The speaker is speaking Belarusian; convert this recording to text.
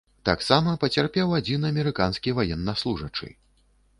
Таксама пацярпеў адзін амерыканскі ваеннаслужачы.